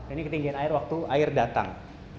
ini ketinggian air waktu air datang